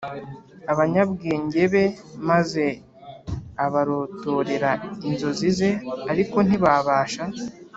abanyabwenge be maze abarotorera inzozi ze ariko ntibabasha